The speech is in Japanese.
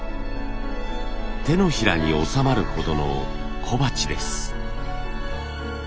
手のひらに収まるほどの小鉢です。